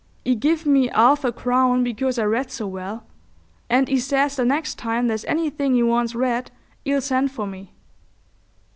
'E give me 'arf a crown because I read so well. And 'e says the next time there's anything 'e wants read 'e'll send for me."